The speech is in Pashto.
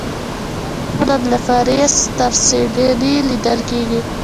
دا نښه نن له پاریس تر سیډني لیدل کېږي.